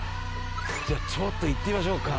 じゃあちょっと行ってみましょうか。